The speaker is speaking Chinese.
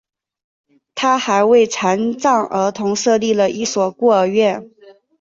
他还为残障儿童设立了一所孤儿院。